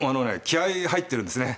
気合い入ってるんですね。